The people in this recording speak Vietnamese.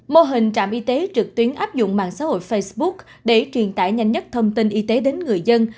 mô hình trạm y tế trực tuyến áp dụng mạng xã hội facebook để truyền tải nhanh nhất thông tin y tế đến người dân